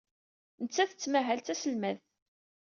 Nettat tettmahal d taselmadt.